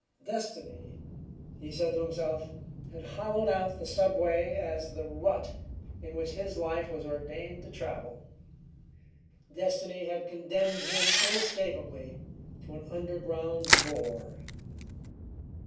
Destiny, he said to himself, had hollowed out the subway as the rut in which his life was ordained to travel; destiny had condemned him inescapably to an underground roar.